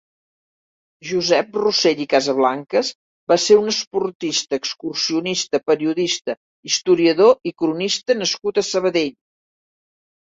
Josep Rosell i Casablancas va ser un esportista, excursionista, periodista, historiador i cronista nascut a Sabadell.